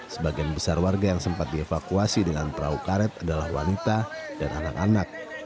sebagian besar warga yang sempat dievakuasi dengan perahu karet adalah wanita dan anak anak